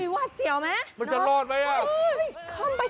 เห้ยมันจะรอดมั้ยเฮ้ยเห้ยเขินไป